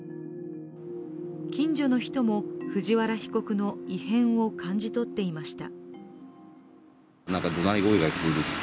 近所の人も、藤原被告の異変を感じ取っていました。